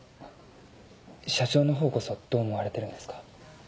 社長のほうこそどう思われてるんですか？